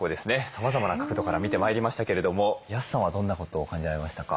さまざまな角度から見てまいりましたけれども安さんはどんなことを感じられましたか？